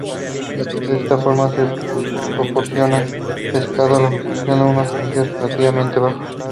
De esta forma se proporcionaba pescado a los mercados a unos precios relativamente bajos.